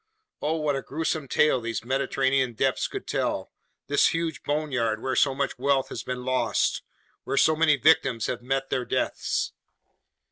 Oh, what a gruesome tale these Mediterranean depths could tell, this huge boneyard where so much wealth has been lost, where so many victims have met their deaths!